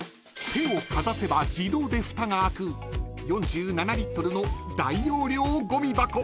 ［手をかざせば自動でふたが開く４７リットルの大容量ごみ箱］